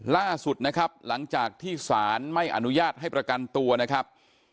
ล่าสุดนะครับหลังจากที่สารไม่อนุญาตให้ประกันตัวนะครับ